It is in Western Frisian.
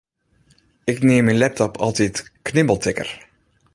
Ik neam myn laptop altyd knibbeltikker.